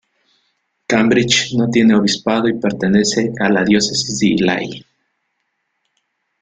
Cambridge no tiene obispado y pertenece a la diócesis de Ely.